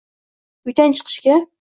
Uydan chiqishga